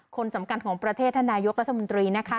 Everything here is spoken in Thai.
คนสำคัญของประเทศท่านนายกรัฐมนตรีนะคะ